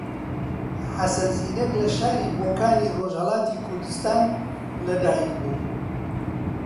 حەسەن زیرەک لە شاری بۆکانی ڕۆژهەڵاتی کوردستان لەدایکبوو.